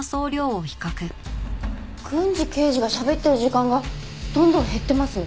郡司刑事がしゃべってる時間がどんどん減ってます！